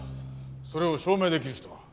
それを証明できる人は？